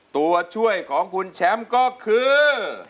ตัวช่วยของคุณแชมป์ก็คือ